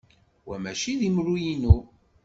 Wa maci d imru-inu.